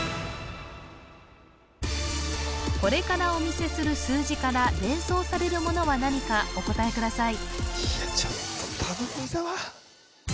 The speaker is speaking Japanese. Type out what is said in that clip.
これからお見せする数字から連想されるものは何かお答えください